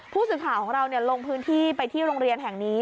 ผู้สื่อข่าวของเราลงพื้นที่ไปที่โรงเรียนแห่งนี้